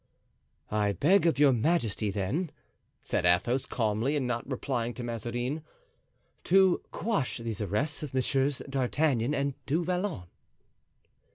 "I beg of your majesty, then," said Athos, calmly and not replying to Mazarin, "to quash these arrests of Messieurs d'Artagnan and du Vallon."